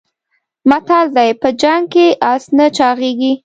متل دی: په جنګ کې اس نه چاغېږي.